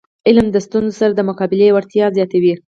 علم د ستونزو سره د مقابلي وړتیا زیاتوي.